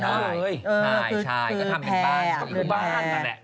งั้นก็ทำเป็นป้า